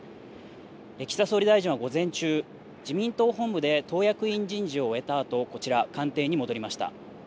岸田総理大臣は午前中、自民党本部で党役員人事を終えたあと、こちら官邸に戻りました。